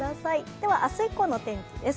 では、明日以降の天気です。